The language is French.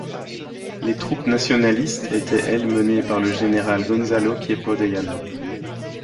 Les troupes nationalistes étaient, elles, menées par le général Gonzalo Queipo de Llano.